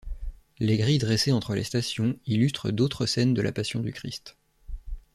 Les grilles dressées entre les stations illustrent d'autres scènes de la Passion du Christ.